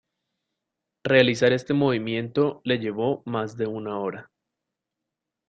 Realizar este movimiento le llevó más de una hora.